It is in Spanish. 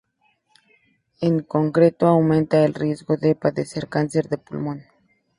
En concreto, aumenta el riesgo de padecer cáncer de pulmón.